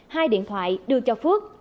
hai điện thoại đưa cho phước